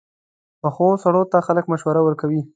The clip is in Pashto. پخو سړو ته خلک مشوره کوي